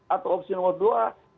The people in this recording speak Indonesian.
atau opsi nomor dua